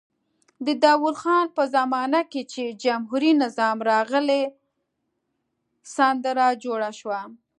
د داود خان په زمانه کې چې جمهوري نظام راغی سندره جوړه شوه.